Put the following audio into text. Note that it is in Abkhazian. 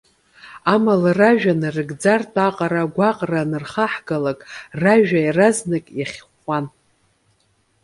Амала, ражәа нарыгӡартә аҟара агәаҟра анырхаҳгалак, ражәа иаразнак иахьхәуан.